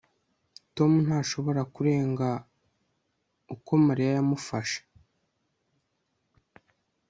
tom ntashobora kurenga uko mariya yamufashe